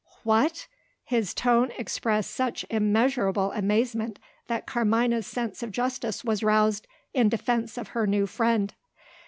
"What!" His tone expressed such immeasurable amazement, that Carmina's sense of justice was roused in defence of her new friend.